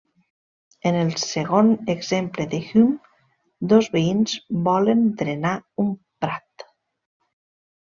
En el segon exemple de Hume dos veïns volen drenar un prat.